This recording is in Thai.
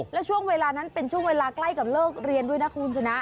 แล้วช่วงเวลานั้นเป็นช่วงเวลาใกล้กับเลิกเรียนด้วยนะคุณชนะ